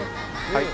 はい。